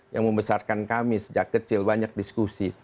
yang membesarkan kami sejak kecil banyak diskusi